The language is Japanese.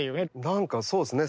なんかそうですね